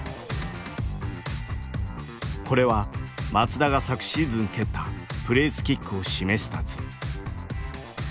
これは松田が昨シーズン蹴ったプレースキックを示した図。